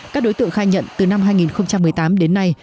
các đối tượng khai nhận từ năm hai nghìn một mươi tám đến nay